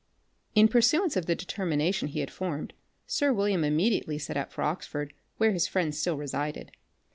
In pursuance of the determination he had formed, sir William immediately set out for Oxford, where his friend still resided.